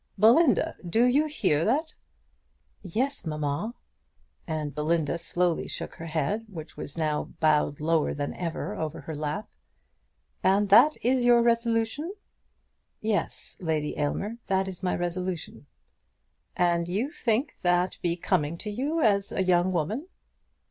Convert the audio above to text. "Belinda, do you hear her?" "Yes, mamma." And Belinda slowly shook her head, which was now bowed lower than ever over her lap. "And that is your resolution?" "Yes, Lady Aylmer; that is my resolution." "And you think that becoming to you, as a young woman?"